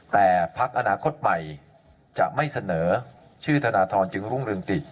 แต่พักอนาคตใหม่จะไม่เสนอชื่อธนทรจึงรุ่งเรืองติด